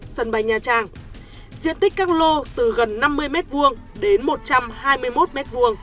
diện tích các lô từ gần năm mươi m hai đến một trăm hai mươi một m hai